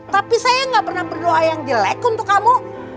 tapi saya gak pernah berdoa yang jelek untuk kamu